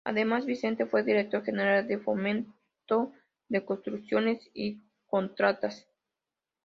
Además, Vicente fue Director General de Fomento de Construcciones y Contratas.